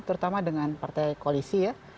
terutama dengan partai koalisi ya